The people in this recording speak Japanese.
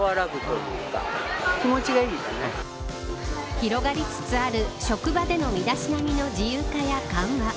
広がりつつある職場での身だしなみの自由化や緩和。